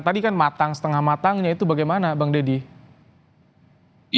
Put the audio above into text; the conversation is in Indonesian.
tadi kan matang setengah matangnya itu bagaimana bang deddy